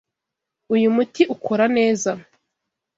Uyu muti ukora neza.